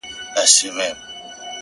عجيب سړى يم له سهاره تر غرمې بيدار يم ـ